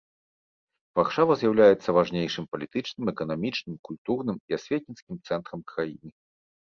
Варшава з'яўляецца важнейшым палітычным, эканамічным, культурным і асветніцкім цэнтрам краіны.